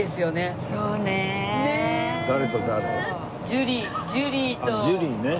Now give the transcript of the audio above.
ジュリーね。